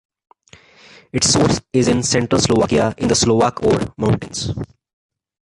Its source is in central Slovakia in the Slovak Ore Mountains.